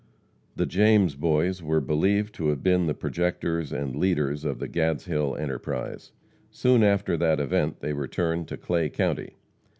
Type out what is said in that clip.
The James Boys were believed to have been the projectors and leaders of the Gadshill enterprise. Soon after that event they returned to Clay county.